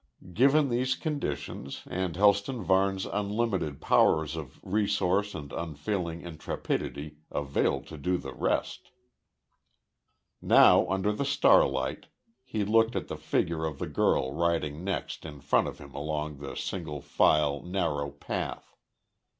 Given these conditions, and Helston Varne's unlimited powers of resource and unfailing intrepidity availed to do the rest. Now, under the starlight, he looked at the figure of the girl riding next in front of him along the single file, narrow path.